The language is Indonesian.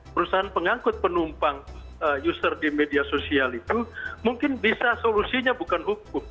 perusahaan pengangkut penumpang user di media sosial itu mungkin bisa solusinya bukan hukum